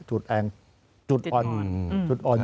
จุดแองจุดอ่อน